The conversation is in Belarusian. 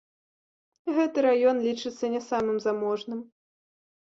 Гэты раён лічыцца не самым заможным.